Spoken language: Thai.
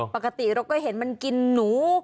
ปกติเราก็เห็นมันกินหนู